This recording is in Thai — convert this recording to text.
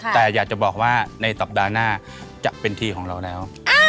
แต่อยากจะบอกว่าในสัปดาห์หน้าจะเป็นทีของเราแล้ว